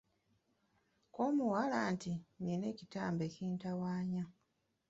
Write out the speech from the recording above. Kko omuwala nti, “Nnina ekitambo ekintawaanya!"